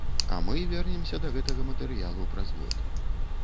А мы вернемся да гэтага матэрыялу праз год.